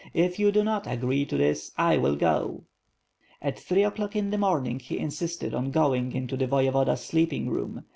If you do not agree to that I will go." At three o'clock in the morning he insisted on going into the Voyevoda's sleeping room.